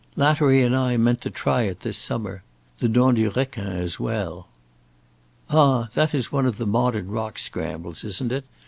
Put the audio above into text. "Lattery and I meant to try it this summer. The Dent du Requin as well." "Ah, that is one of the modern rock scrambles, isn't it?